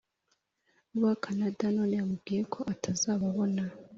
uba canada none yamubwiye ko atazababona